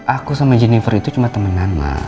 aku sama jennifer itu cuma temen mama